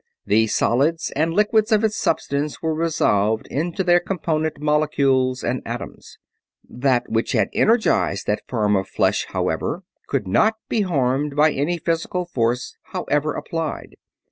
The solids and liquids of its substance were resolved into their component molecules or atoms. That which had energized that form of flesh, however, could not be harmed by any physical force, however applied.